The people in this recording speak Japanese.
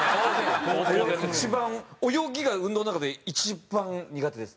一番泳ぎが運動の中で一番苦手です。